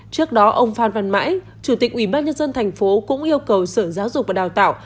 trước đó ông phan văn mãi chủ tịch ubnd tp cũng yêu cầu sở giáo dục và đào tạo